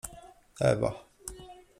Ewa.